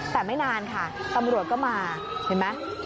แต่ไม่นานค่ะตำรวจก็มาเห็นไหม